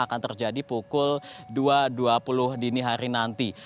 akan terjadi pukul dua dua puluh dini hari nanti